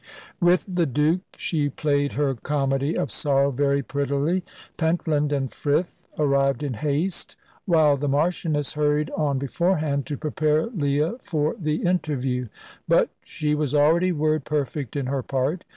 With the Duke she played her comedy of sorrow very prettily. Pentland and Frith arrived in haste, while the Marchioness hurried on beforehand, to prepare Leah for the interview. But she was already word perfect in her part.